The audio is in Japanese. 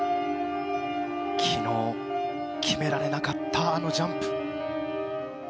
昨日決められなかったあのジャンプ。